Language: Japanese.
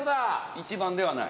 一番ではない。